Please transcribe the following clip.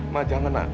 ma jangan ma